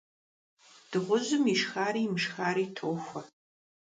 Дыгъужьым ишхари имышхари тохуэ.